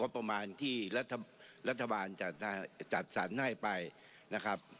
ประมาณที่รัฐบาลจะจัดสรรให้ไปนะครับ